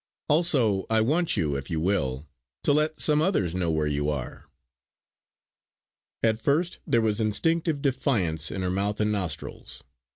Also, I want you, if you will, to let some others know where you are." At first there was instinctive defiance in her mouth and nostrils.